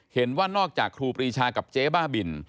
เห็นว่านอกจากครูปรีชากับเจ๊บ้าบิน